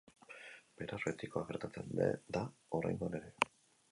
Beraz, betikoa gertatzen da oraingoan ere.